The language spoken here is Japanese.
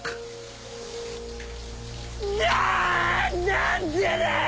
何でだよ！